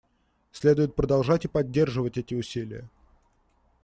Следует продолжать и поддерживать эти усилия.